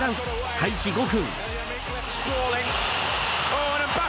開始５分。